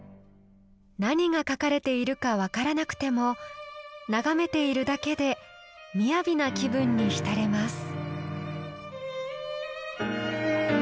何が書かれているか分からなくても眺めているだけで雅な気分に浸れます。